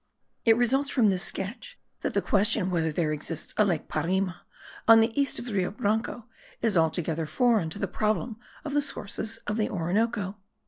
It results from this sketch that the question whether there exists a lake Parima on the east of the Rio Branco is altogether foreign to the problem of the sources of the Orinoco.